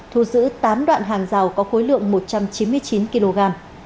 thu giữ tám đoạn hàng rào có khối lượng một trăm chín mươi chín kg